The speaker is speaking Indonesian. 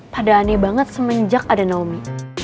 pada aneh banget semenjak ada naomi